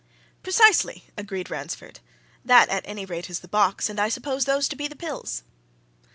"Precisely!" agreed Ransford. "That, at any rate, is the box, and I suppose those to be the pills."